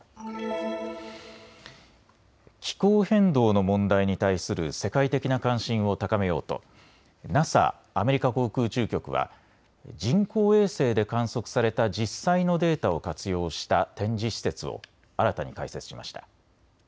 気候変動の問題に対する世界的な関心を高めようとＮＡＳＡ・アメリカ航空宇宙局は人工衛星で観測された実際のデータを活用した展示施設を新たに開設しました。